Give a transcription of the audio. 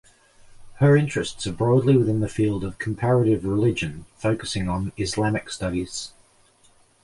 Her interests are broadly within the field of Comparative Religion focusing on Islamic studies.